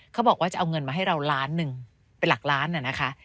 เขาบอกว่าจะเอาเงินมาให้เราล้านหนึ่งเป็นหลักล้านนะคะ